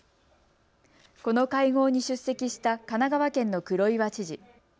この会合に出席した神奈川県の黒岩知事。